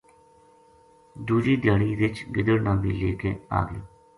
دوجی دھیاڑی رچھ گدڑ نا بھی لے کے آ گیو